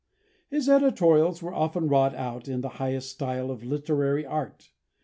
His editorials were often wrought out in the highest style of literary art.